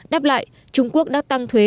đáp lại trung quốc đã tăng thuế